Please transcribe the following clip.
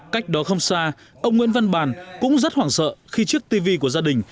cách đó không xa ông nguyễn văn bàn cũng rất hoảng sợ khi trước tv của gia đình